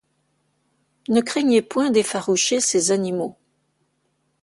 Ne craignez point d’effaroucher ces animaux.